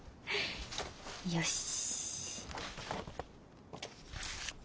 よし。